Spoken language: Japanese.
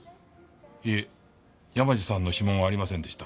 いえ山路さんの指紋はありませんでした。